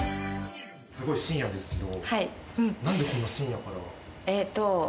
すごい深夜ですけど。